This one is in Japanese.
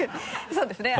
そうですね